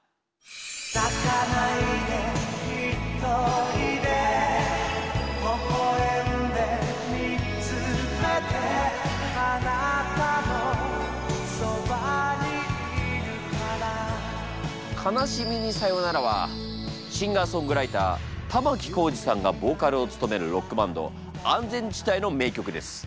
泣かないでひとりでほゝえんでみつめてあなたのそばにいるから「悲しみにさよなら」はシンガーソングライター玉置浩二さんがボーカルを務めるロックバンド安全地帯の名曲です。